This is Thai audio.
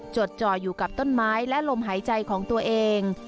จดจ่ออยู่กับต้นไม้และลมหายใจของตัวเอง